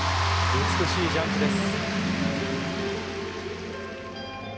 美しいジャンプです。